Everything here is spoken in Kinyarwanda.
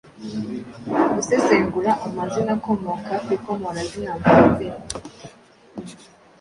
Gusesengura amazina akomoka ku ikomorazina mvazina